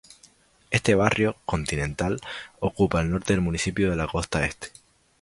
Este barrio, "continental", ocupa el norte del municipio en la costa este.